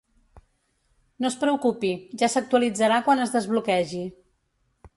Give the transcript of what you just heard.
No es preocupi, ja s'actualitzarà quan es desbloqueji.